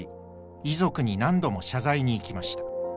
遺族に何度も謝罪に行きました。